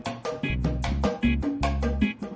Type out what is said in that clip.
masuhmu sekarang wov oom